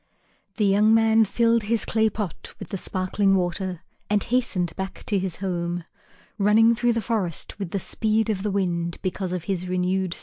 The young man filled his clay pot with the sparkling water and hastened back to his home, running through the forest with the speed of the wind, because of his renewed strength.